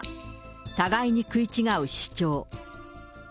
互いに食い違う主張。